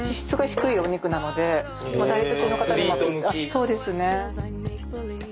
そうですね。